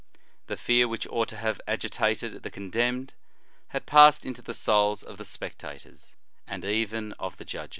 The fear which ought to have agitated the condemned, had passed into the souls of the spectators, and even of the judges."